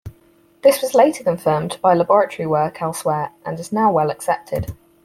This was later confirmed by laboratory work elsewhere and is now well accepted.